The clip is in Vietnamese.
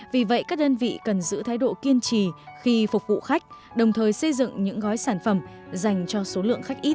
vì vậy các đơn vị cần giữ thái độ kiên trì khi phục vụ khách đồng thời xây dựng những gói sản phẩm dành cho số lượng khách ít